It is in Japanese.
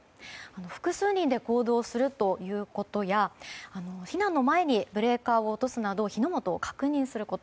複数人で行動するということや避難の前にブレーカーを落とすなど火の元を確認すること。